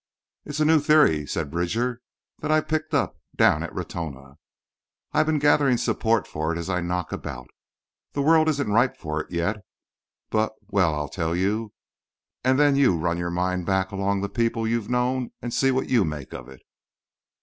"It's a new theory," said Bridger, "that I picked up down in Ratona. I've been gathering support for it as I knock about. The world isn't ripe for it yet, but—well I'll tell you; and then you run your mind back along the people you've known and see what you make of it."